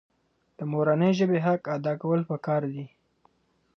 د مورنۍ ژبې حق ادا کول پکار دي.